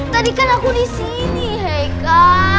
tadi kan aku di sini heka